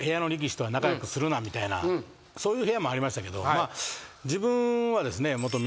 そういう部屋もありましたけど自分は。